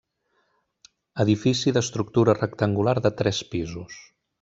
Edifici d'estructura rectangular de tres pisos.